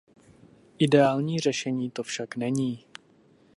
Ideální řešení to však není.